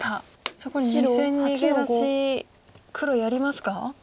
そこ２線逃げ出し黒やりますか？